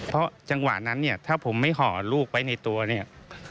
เพราะจังหวะนั้นเนี่ยถ้าผมไม่ห่อลูกไว้ในตัวเนี่ย